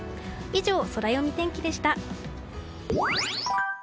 以上、ソラよみ天気でした。